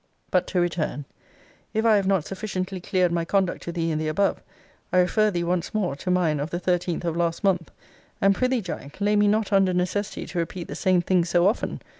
But to return: If I have not sufficiently cleared my conduct to thee in the above; I refer thee once more to mine of the 13th of last month.* And pr'ythee, Jack, lay me not under a necessity to repeat the same things so often.